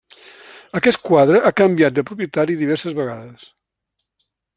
Aquest quadre ha canviat de propietari diverses vegades.